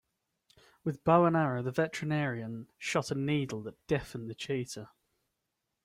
With bow and arrow the veterinarian shot a needle that deafened the cheetah.